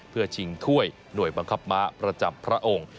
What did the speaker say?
เพื่อชิงถ้วยหน่วยบังคับม้าประจำพระองค์